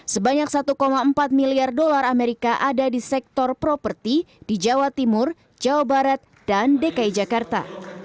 sebanyak satu empat miliar dolar amerika ada di sektor properti di jawa timur jawa barat dan dki jakarta